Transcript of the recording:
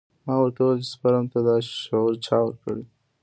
ما ورته وويل چې سپرم ته دا شعور چا ورکړى.